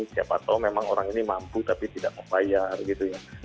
siapa tahu memang orang ini mampu tapi tidak membayar gitu ya